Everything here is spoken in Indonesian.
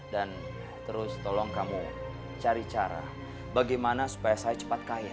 dan terus tolong kamu cari cara bagaimana supaya saya cepat kaya